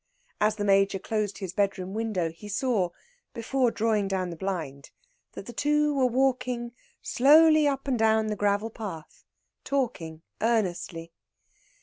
As the Major closed his bedroom window, he saw, before drawing down the blind, that the two were walking slowly up and down the gravel path, talking earnestly.